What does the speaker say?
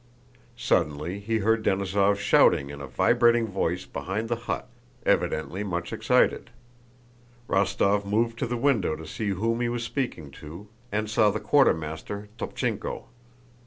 Suddenly he heard Denísov shouting in a vibrating voice behind the hut, evidently much excited. Rostóv moved to the window to see whom he was speaking to, and saw the quartermaster, Topchéenko.